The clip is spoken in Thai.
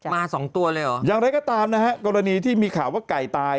มาสองตัวเลยเหรออย่างไรก็ตามนะฮะกรณีที่มีข่าวว่าไก่ตาย